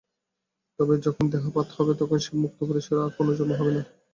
তবেই যখন দেহপাত হবে, তখন সেই মুক্ত পুরুষের আর পুনর্জন্ম হবে না।